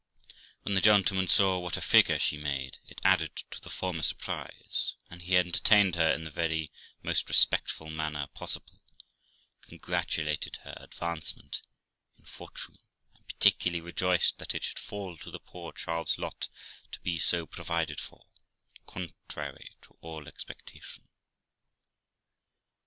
When the gentleman saw what a figure she made, it added to the former surprise, and he entertained her in the most respectful manner possible, congratulated her advancement in fortune, and particularly rejoiced that it should fall to the poor child's lot to be so provided for, contrary to all expectation.